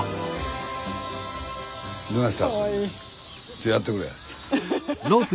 じゃあやってくれ。